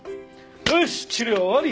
よし治療終わり！